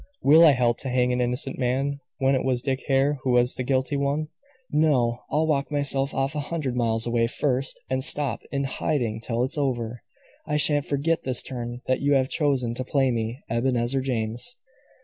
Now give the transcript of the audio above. Will I help to hang an innocent man, when it was Dick Hare who was the guilty one? No! I'll walk myself off a hundred miles away first, and stop in hiding till it's over. I shan't forget this turn that you have chosen to play me, Ebenezer James."